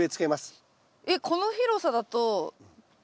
えっこの広さだと１０。